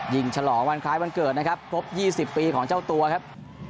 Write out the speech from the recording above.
ฉลองวันคล้ายวันเกิดนะครับครบ๒๐ปีของเจ้าตัวครับ